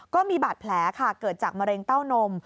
ก็มีบาดแผลค่ะเกิดจากมะเร็งเต้านม